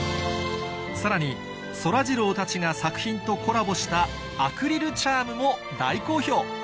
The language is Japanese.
さらにそらジローたちが作品とコラボしたアクリルチャームも大好評